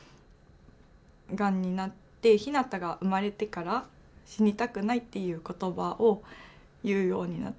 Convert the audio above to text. がんになって陽向が生まれてから「死にたくない」っていう言葉を言うようになって。